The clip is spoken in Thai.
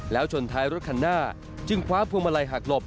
แล้วชนท้ายรถคันหน้าจึงคว้าพวงมาลัยหักหลบ